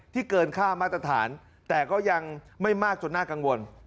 เกินค่ามาตรฐานแต่ก็ยังไม่มากจนน่ากังวล